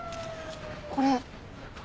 これ。